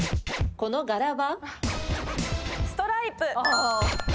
この柄は？